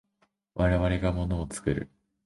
我々が物を作る。